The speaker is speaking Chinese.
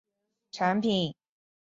有两个人在推销产品